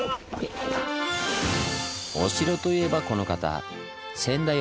お城といえばこの方。